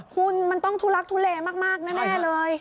คุณมันต้องทุลักทุเลมากแน่เลย